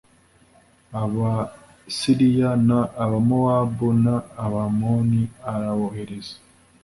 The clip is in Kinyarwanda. Abasiriya n Abamowabu n Abamoni arabohereza